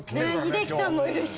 英樹さんもいるし。